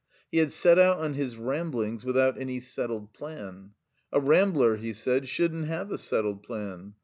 He had set out on his ramblings without any settled plan. "A rambler," he said, "shouldn't have a settled plan."